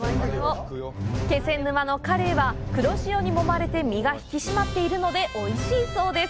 気仙沼のカレイは黒潮にもまれて身が引き締まっているので、おいしいそうです！